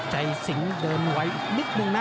ติดไหนแต่ว่าอย่ายุบนะ